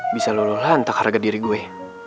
bisa lululah antak harga diri gue